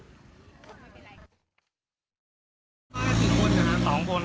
สี่คนเหรอครับสองคนครับสองคน